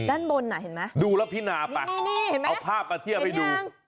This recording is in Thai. ด้านบนน่ะเห็นไหมดูแล้วพินาไปนี่นี่นี่เห็นไหมเอาภาพมาเทียบให้ดู